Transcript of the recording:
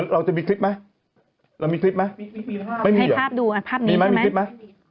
เราจะมีคลิปไหมไม่มีหรอไม่มีคลิปไหม